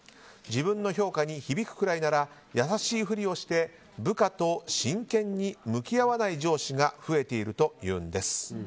自分の評価に響くくらいなら優しいふりをして部下と真剣に向き合わない上司が増えているというんです。